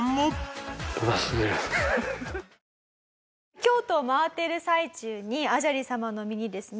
京都を回っている最中に阿闍梨さまの身にですね